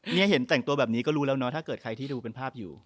เนี่ยเห็นแต่งตัวอยากก็รู้เนอะถ้าเกิดใครดูด้วยภาพอยู่